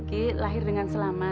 tidak ada apa apa